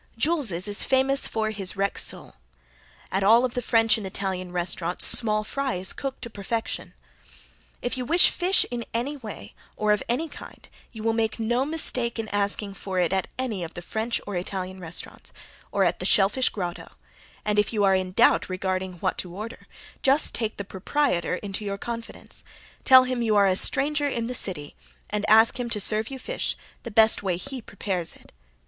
Jule's is famous for his Rex sole. At all of the French and Italian restaurants small fry is cooked to perfection. If you wish fish in any way or of any kind you will make no mistake in asking for it at any of the French or Italian restaurants, or at the Shell Fish Grotto, and if you are in doubt regarding what to order just take the proprietor into your confidence, tell him you are a stranger in the city and ask him to serve you fish the best way he prepares it.